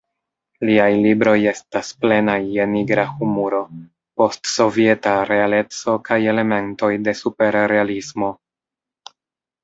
Liaj libroj estas plenaj je nigra humuro, post-sovieta realeco kaj elementoj de superrealismo.